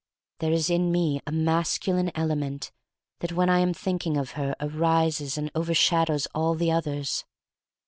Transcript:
There is in me a masculine' element that, when I am thinking of her, arises and overshadows all the others.